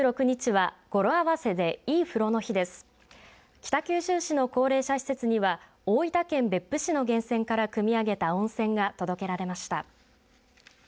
北九州市の高齢者施設には大分県別府市の源泉からくみ上げた温泉が届けられました。